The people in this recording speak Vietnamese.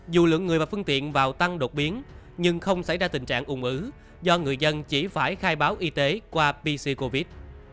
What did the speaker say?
dù lượng người và phương tiện vào tăng đột biến nhưng không xảy ra tình trạng ủng ứ do người dân chỉ phải khai báo y tế qua pc covid